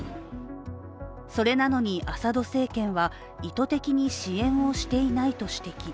それなのにアサド政権は意図的に支援をしていないと指摘。